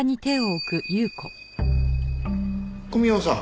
小宮山さん